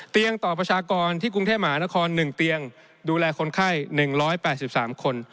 เตียงต่อประชากรที่กรุงเทพมหานคร๑เตียงดูแลคนไข้๑๘๓คน